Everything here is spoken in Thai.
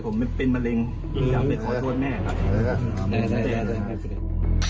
โอเคครับผมเป็นมะเร็งอยากไปขอโทษแม่ครับได้ครับได้